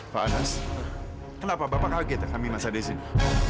pak anas kenapa bapak kaget kami masa di sini